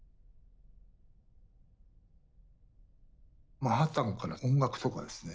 マンハッタンから音楽とかですね